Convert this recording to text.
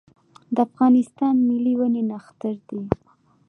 د افغانستان ملي ونې نښتر دی